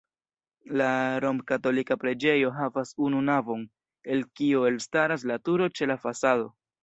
La romkatolika preĝejo havas unu navon, el kio elstaras la turo ĉe la fasado.